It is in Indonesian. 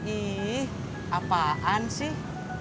iih apaan sih